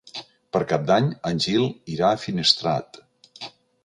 Per Cap d'Any en Gil irà a Finestrat.